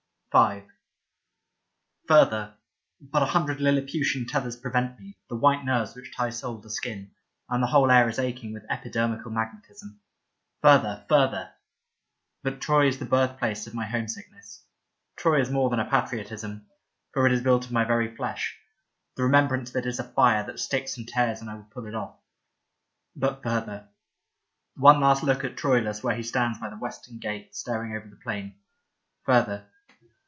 50 Leda V FURTHER — but a hundred Liliputian tethers prevent me, the white nerves which tie soul to skin. And the whole air is aching with epidermical magnetism. Further, further. But Troy is the birthplace of my home sickness. Troy is more than a patriotism, for it is built of my very flesh ; the remembrance of it is a fire that sticks and tears when I would pull it off. But further. One last look at Troilus where he stands by the western gate, staring over the plain. Further.